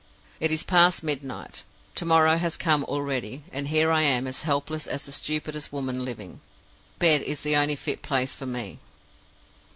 It is past midnight. To morrow has come already; and here I am as helpless as the stupidest woman living! Bed is the only fit place for me.